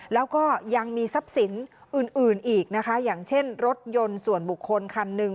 แล้วก็ยังมีทรัพย์สินอื่นอื่นอีกนะคะอย่างเช่นรถยนต์ส่วนบุคคลคันหนึ่ง